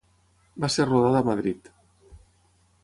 Va ser rodada a Madrid.